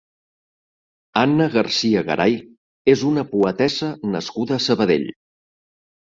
Anna Garcia Garay és una poetessa nascuda a Sabadell.